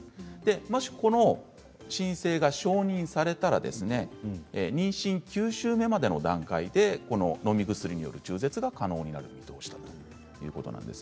もし、この申請が承認されたら妊娠９週目までの段階でこの、のみ薬による中絶が可能になる見通しだということなんです。